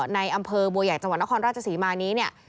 ในอำเภอบัวใหญ่จังหวัดนครราชศรีมานี้เนี่ย